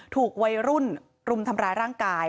ถูกวัยรุ่นรุมทำร้ายร่างกาย